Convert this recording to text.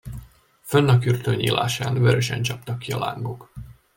Fönn, a kürtő nyílásán, vörösen csaptak ki a lángok.